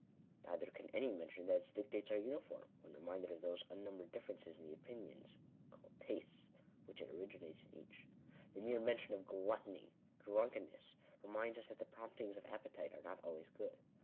Neither can any maintain that its dictates are uniform, when reminded of those unnumbered differences in the opinions called " tastes " Digitized by VjOOQIC INTRODUCTION. fcj which it originates in each. The mere mention of " gluttony/' " drunkenness," reminds us that the promptings of appetite are not always good.